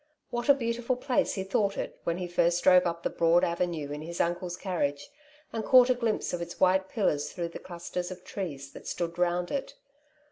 What a beautiful place he thought it when he first drove up the broad avenue in his uncle's carriage, and caught a glimpse of its white pillars through the clusters of trees that stood round it